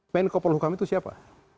menko pol hukum itu siapa